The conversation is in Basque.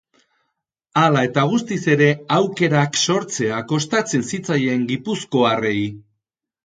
Hala eta guztiz ere, aukerak sortzea kostatzen zitzaien gipuzkoarrei.